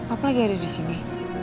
apa lagi ada disini